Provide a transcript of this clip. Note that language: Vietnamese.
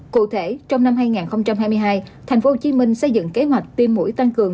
cụ thể trong năm hai nghìn hai mươi hai thành phố hồ chí minh xây dựng kế hoạch tiêm mũi tăng cường